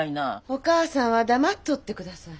お義母さんは黙っとってください。